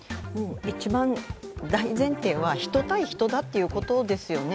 一番大前提は人対人だっていうことですよね。